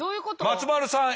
松丸さん